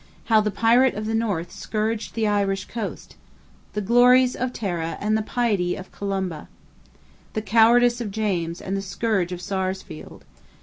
How the "Pirate of the North" scourged the Irish coast. The glories of Tara and the piety of Columba. The cowardice of James and the courage of Sarsfield.